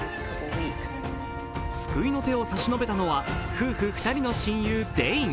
救いの手を差し伸べたのは夫婦２人の親友・デイン。